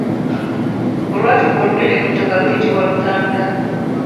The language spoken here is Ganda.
Olwatika olunene ku ttaka luyitibwa Lutanda.